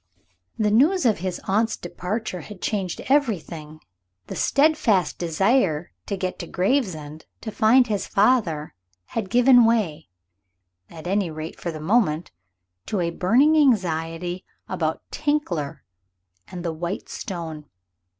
The news of his aunt's departure had changed everything. The steadfast desire to get to Gravesend, to find his father, had given way, at any rate for the moment, to a burning anxiety about Tinkler and the white stone.